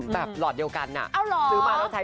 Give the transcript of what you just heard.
ถ้าหันหลังก็ใช่